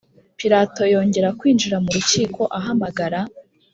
Pilato yongera kwinjira mu rukiko ahamagara